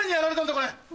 これ。